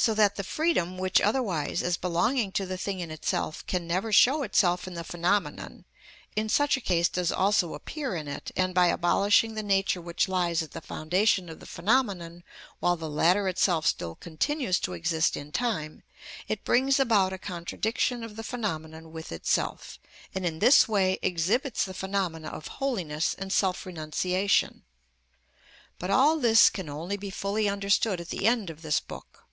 So that the freedom which otherwise, as belonging to the thing in itself, can never show itself in the phenomenon, in such a case does also appear in it, and, by abolishing the nature which lies at the foundation of the phenomenon, while the latter itself still continues to exist in time, it brings about a contradiction of the phenomenon with itself, and in this way exhibits the phenomena of holiness and self renunciation. But all this can only be fully understood at the end of this book.